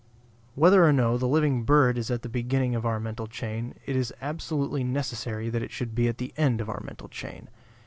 Whether or no the living bird is at the beginning of our mental chain, it is absolutely necessary that it should be at the end of our mental chain.